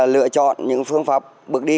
lựa chọn những phương pháp bước đi